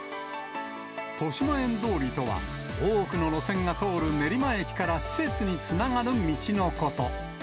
豊島園通りとは、多くの路線が通る練馬駅から施設につながる道のこと。